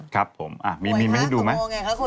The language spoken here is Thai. ครับผมมีเมมให้ดูไหม